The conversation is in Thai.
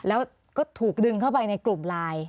แล้วก็ถูกดึงเข้าไปในกลุ่มไลน์